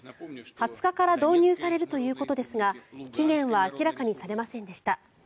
２０日から導入されるということですが期限は明らかにされませんでした。